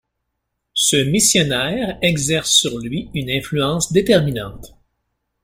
Ce missionnaire exerce sur lui une influence déterminante.